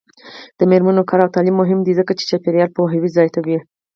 د میرمنو کار او تعلیم مهم دی ځکه چې چاپیریال پوهاوی زیاتوي.